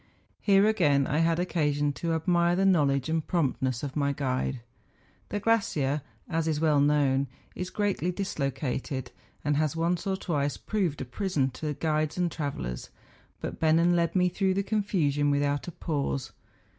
Here again I had occasion to admire the knowledge and promptness of my guide. The glacier, as is well known, is greatly dislocated, and has once or twice proved a prison to guides and travellers; but Bennen led me through the confusion without a pause.